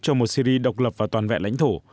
cho một syri độc lập và toàn vẹn lãnh thổ